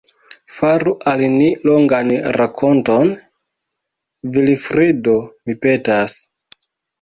Faru al ni longan rakonton, Vilfrido, mi petas.